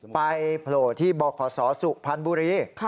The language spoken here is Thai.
ไปโผล่ที่บ่อขอสอสุพรรณบุรี